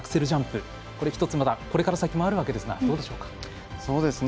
ジャンプこれ、１つまだ先もあるわけですがどうでしょうか？